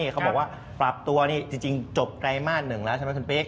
เขาบอกว่าปรับตัวจริงจบไกลมาน๑แล้วใช่ไหมส่วนปีก